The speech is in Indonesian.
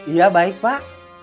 iya baik pak